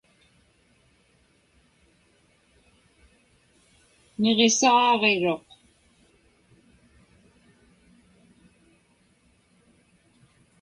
Niġisaaġiruq.